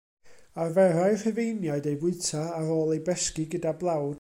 Arferai'r Rhufeiniaid ei fwyta, ar ôl ei besgi gyda blawd.